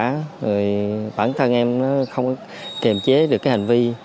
rồi bản thân em nó không kiềm chế được cái hành vi